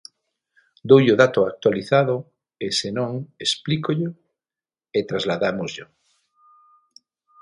Doulle o dato actualizado e, se non, explícollo e trasladámosllo.